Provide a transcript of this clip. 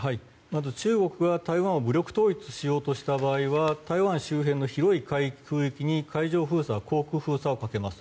まず中国は台湾を武力統一しようとした場合は台湾周辺の広い海域、空域に海上封鎖、航空封鎖をかけます。